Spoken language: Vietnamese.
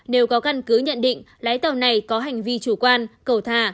nếu có căn cứ nhận định lái tàu này có hành vi chủ quan cầu thả